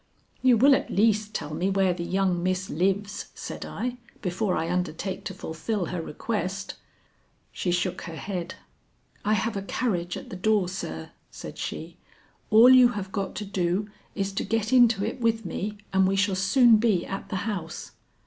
"You will at least tell me where the young miss lives," said I, "before I undertake to fulfil her request." She shook her head. "I have a carriage at the door, sir," said she. "All you have got to do is to get into it with me and we shall soon be at the house."